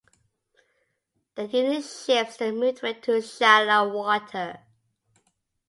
The Union ships then moved away to shallow water.